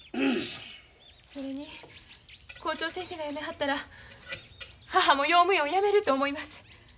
それに校長先生がやめはったら母も用務員をやめると思います。